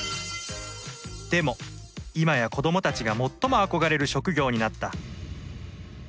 でも今や子どもたちが最も憧れる職業になった